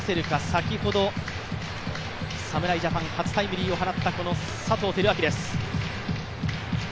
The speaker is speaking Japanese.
先ほど、侍ジャパン初タイムリーを放ったこの佐藤輝明です。